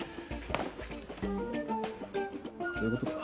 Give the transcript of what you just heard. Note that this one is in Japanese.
そういうことか。